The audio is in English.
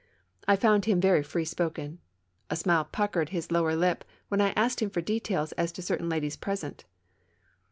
I found him very free spoken. A smile puckered bis lower lip when I asked him for details as to certain ladies present.